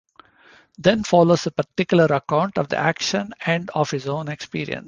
Then follows a particular account of the action and of his own experience.